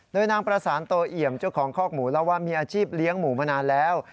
โดยนางประสานโตเอี่ยมเจ้าของคอกหมูเล่าว่ามีอาชีพเลี้ยงหมูมานานแล้ว